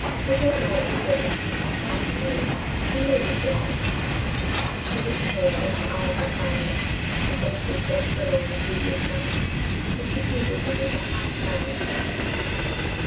Odette Rider was in (that he knew) and waiting for him. She looked pale and her eyes were tired, as though she had slept little on the previous night, but she greeted him with that half smile of hers.